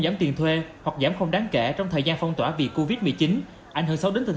giảm tiền thuê hoặc giảm không đáng kể trong thời gian phong tỏa vì covid một mươi chín ảnh hưởng xấu đến tình